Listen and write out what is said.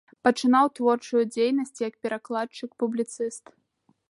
Пачынаў творчую дзейнасць як перакладчык, публіцыст.